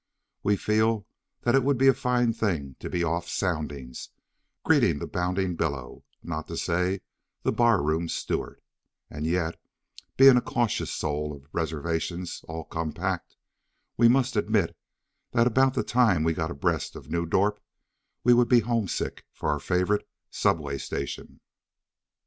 We feel that it would be a fine thing to be off soundings, greeting the bounding billow, not to say the bar room steward; and yet, being a cautious soul of reservations all compact, we must admit that about the time we got abreast of New Dorp we would be homesick for our favourite subway station.